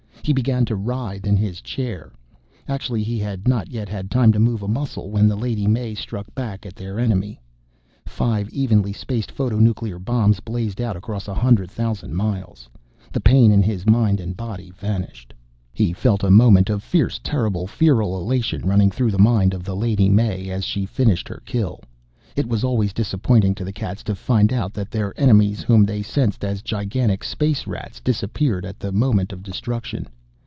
He began to writhe in his chair. Actually he had not yet had time to move a muscle when the Lady May struck back at their enemy. Five evenly spaced photonuclear bombs blazed out across a hundred thousand miles. The pain in his mind and body vanished. He felt a moment of fierce, terrible, feral elation running through the mind of the Lady May as she finished her kill. It was always disappointing to the cats to find out that their enemies whom they sensed as gigantic space Rats disappeared at the moment of destruction.